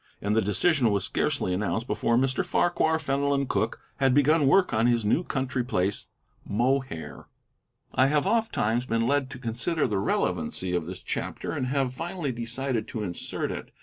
And the decision was scarcely announced before Mr. Farquhar Fenelon Cooke had begun work on his new country place, Mohair. I have oftentimes been led to consider the relevancy of this chapter, and have finally decided to insert it.